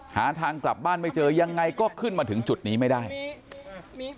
หาทางกลับบ้านไม่เจอยังไงก็ขึ้นมาถึงจุดนี้ไม่ได้อืม